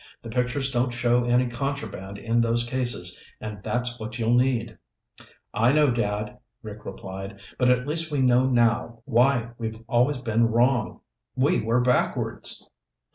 The pictures don't show any contraband in those cases, and that's what you'll need." "I know, Dad," Rick replied. "But at least we know now why we've always been wrong. We were backwards!"